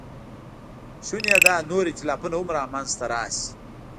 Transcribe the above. شونې ده نور ایتلافونه هم منځ ته راشي.